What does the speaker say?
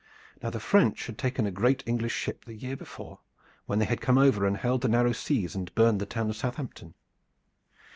Now the French had taken a great English ship the year before when they came over and held the narrow seas and burned the town of Southampton.